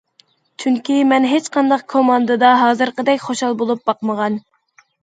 چۈنكى مەن ھېچقانداق كوماندىدا ھازىرقىدەك خۇشال بولۇپ باقمىغان.